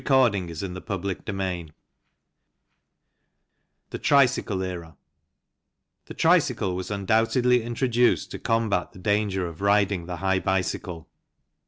CHAPTER II THE TRICYCLE ERA THE tricycle was undoubtedly introduced to combat the danger of riding the high bicycle.